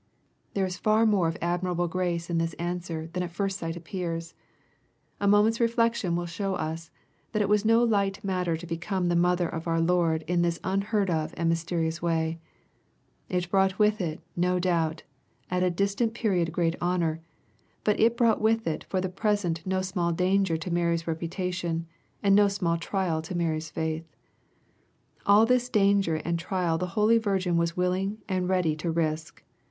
There is far more of admirable grace in this answer than at first sight appears. A moment's refiection will show us, that it was no light matter to become the mother of our Lord in this unheard of and mysterious way. It brought with it, no doubt, at a distant period great honor ; but it brought with it for the present no small danger to Mary's reputation, and no small trial to Mary's faith. All this danger and trial the holy Virgin was willing and ready to risk.